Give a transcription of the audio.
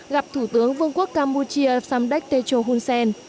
gặp thủ tướng vương quốc campuchia samdek techo hunsen